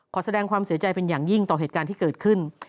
ขอแสดงความเสียใจเป็นอย่างยิ่งต่อเหตุการณ์ที่เกิดขึ้น